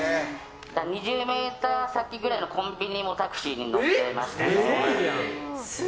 ２０ｍ先くらいのコンビニもタクシーに乗ってました。